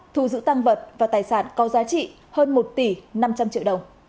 thu giữ tăng vật và tài sản có giá trị hơn một tỷ năm trăm linh triệu đồng